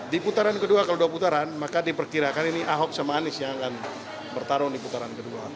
di putaran kedua kalau dua putaran maka diperkirakan ini ahok sama anies yang akan bertarung di putaran kedua